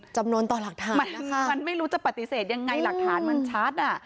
จำนวนต่อหลักฐานมันไม่รู้จะปฏิเสธยังไงหลักฐานมันชัดอ่ะ